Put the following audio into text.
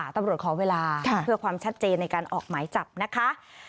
ตำรวจขอเวลาเพื่อความชัดเจนในการออกหมายจับนะคะ